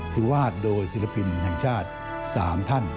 ที่วาดโดยศิลปินของภาคชาติสามท่าน